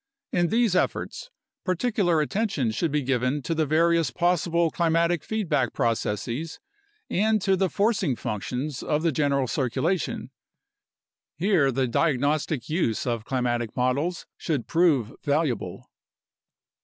In these efforts, particular attention should be given to the various pos sible climatic feedback processes and to the forcing functions of the general circulation. Here the diagnostic use of climatic models should prove valuable.